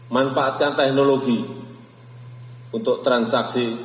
manfaatkan teknologi untuk transaksi